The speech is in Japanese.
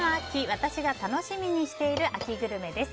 私が楽しみにしている秋グルメです。